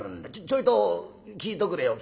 ちょいと聞いとくれよ